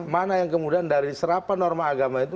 mana yang kemudian dari serapan norma agama itu